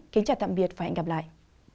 kính chào tạm biệt và hẹn gặp lại